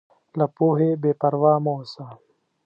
له پوهې بېپروا مه اوسه.